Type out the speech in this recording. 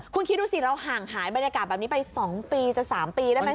คุณคิดดูสิเราห่างหายบรรยากาศแบบนี้ไป๒ปีจะ๓ปีได้ไหม